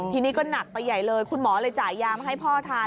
ทีนี้ก็หนักไปใหญ่เลยคุณหมอเลยจ่ายยามาให้พ่อทาน